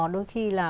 đôi khi là